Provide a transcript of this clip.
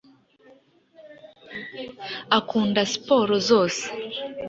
Akunda siporo zose.